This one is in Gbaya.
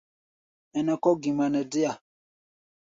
Ɛnɛ kɔ̧́ gima nɛ déa.